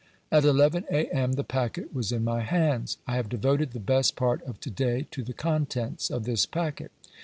At eleven A.M. the packet was in my hands. I have devoted the best part of to day to the contents of this packet.